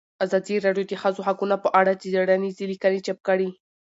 ازادي راډیو د د ښځو حقونه په اړه څېړنیزې لیکنې چاپ کړي.